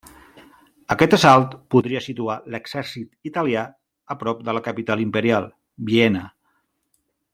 Aquest assalt podria situar l'exèrcit italià a prop de la capital imperial, Viena.